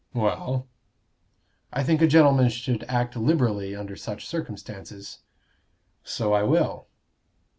"Well?" "I think a gentleman should act liberally under such circumstances." "So I will."